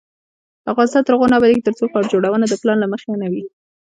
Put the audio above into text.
افغانستان تر هغو نه ابادیږي، ترڅو ښار جوړونه د پلان له مخې نه وي.